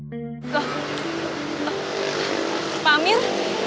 loh pak amir